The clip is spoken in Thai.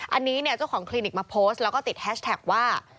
อันนี้เนี่ยเจ้าของคลินิกมาโพสต์แล้วก็ติดแฮชแท็กว่า